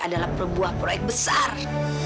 adalah perbuah proyek besar